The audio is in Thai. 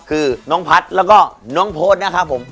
คือน้องพัฒน์แล้วก็น้องโพสต์นะครับผม